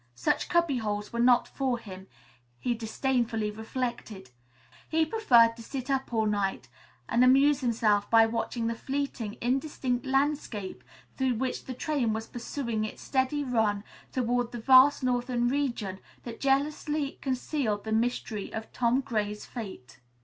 Such cubby holes were not for him, he disdainfully reflected. He preferred to sit up all night and amuse himself by watching the fleeting, indistinct landscape through which the train was pursuing its steady run toward the vast northern region that jealously concealed the mystery of Tom Gray's fate.